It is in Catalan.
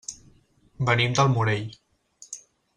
Venim del Morell.